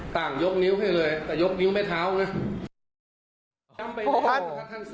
ตั้งยกนิ้วให้เลยแต่ยกนิ้วไม่ท้าวกน่ะ